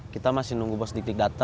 kita masih nunggu bos di klik data